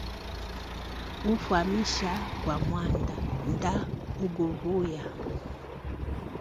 Ufamisha wa mwanda ndauguvuya.